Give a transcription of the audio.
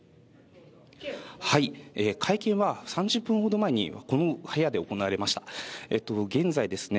会見は３０分ほど前にこの部屋で行われました現在ですね